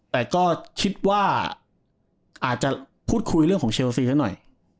แต่ก็คิดว่าอาจจะพูดคุยเรื่องของเชลซีซะหน่อย